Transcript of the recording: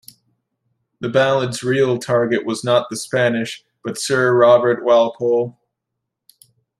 The ballad's real target was not the Spanish but Sir Robert Walpole.